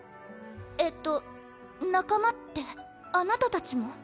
えっと仲間ってあなたたちも？